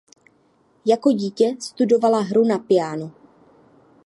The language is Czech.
Jako dítě studovala hru na piano.